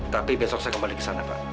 tapi besok saya kembali ke sana pak